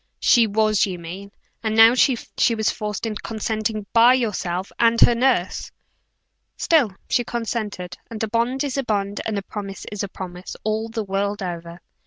"She was, you mean. You know she was forced into consenting by yourself and her nurse!" "Still she consented; and a bond is a bond, and a promise a promise, all the world over."